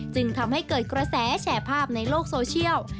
จึงทำให้เกิดกระแสแชร์ภาพในโลกโซเชียล